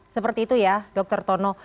seperti itu ya dokter tono